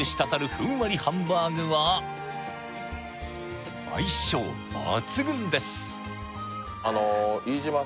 ふんわりハンバーグは相性抜群です